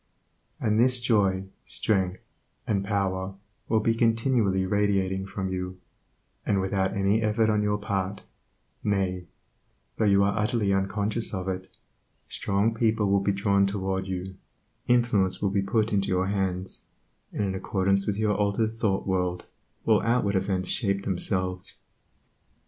And this joy, strength, and power will be continually radiating from you, and without any effort on your part, nay, though you are utterly unconscious of it, strong people will be drawn toward you, influence will be put into your hands, and in accordance with your altered thought world will outward events shape themselves.